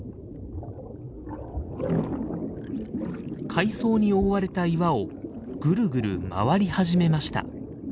海藻に覆われた岩をぐるぐる回り始めました。